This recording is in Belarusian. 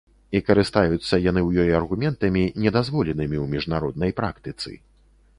І карыстаюцца яны ў ёй аргументамі, недазволенымі ў міжнароднай практыцы.